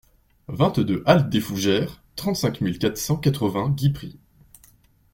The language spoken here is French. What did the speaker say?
vingt-deux aLL DES FOUGERES, trente-cinq mille quatre cent quatre-vingts Guipry